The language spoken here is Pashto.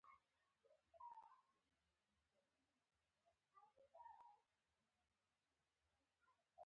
بوتل د ماشومو د تغذیې یوه اساسي وسیله ده.